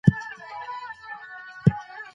موږ د بدلون ځواک لرو.